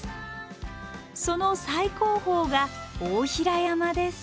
その最高峰が大平山です。